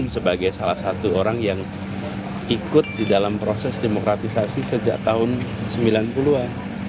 sebagai salah satu orang yang ikut di dalam proses demokratisasi sejak tahun sembilan puluh an